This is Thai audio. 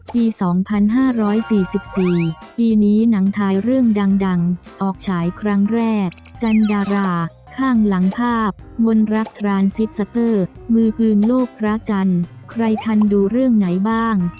ปี๒๕๔๔ปีนี้หนังทายเรื่องดังออกฉายครั้งแรกจันดาราข้างหลังภาพวนรักครานซิสสเตอร์มือปืนโลกพระจันทร์ใครทันดูเรื่องไหนบ้าง